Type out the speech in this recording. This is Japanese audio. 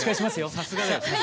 さすが。